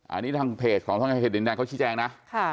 อันนี้ทางเพจของท่องการเขตดินแดงเค้าชี้แจ้งนะค่ะ